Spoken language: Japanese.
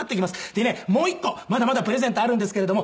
でねもう一個まだまだプレゼントあるんですけれども。